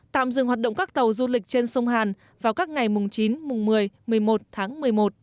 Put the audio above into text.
tạm dừng hoạt động các tàu du lịch trên sông hàn vào các ngày mùng chín mùng một mươi một mươi một tháng một mươi một